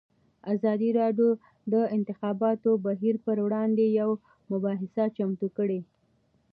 ازادي راډیو د د انتخاباتو بهیر پر وړاندې یوه مباحثه چمتو کړې.